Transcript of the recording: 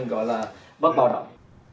gọi là bất bào động